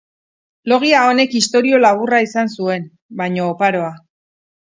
Logia honek historia laburra izan zuen, baino oparoa.